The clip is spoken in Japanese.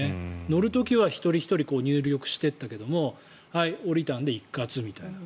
乗る時は一人ひとり入力していったけれどはい、降りたんで一括みたいな。